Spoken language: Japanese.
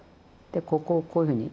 でここをこういうふうに。